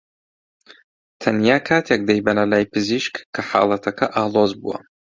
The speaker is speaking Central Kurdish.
تەنیا کاتێک دەیبەنە لای پزیشک کە حاڵەتەکە ئاڵۆز بووە